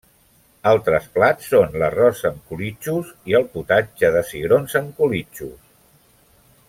Altres plats són l'arròs amb colitxos i el potatge de cigrons amb colitxos.